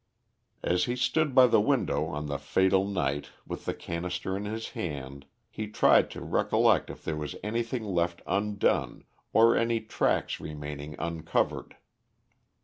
As he stood by the window on the fatal night with the canister in his hand he tried to recollect if there was anything left undone or any tracks remaining uncovered.